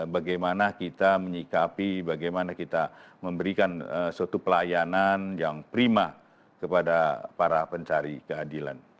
bagaimana kita menyikapi bagaimana kita memberikan suatu pelayanan yang prima kepada para pencari keadilan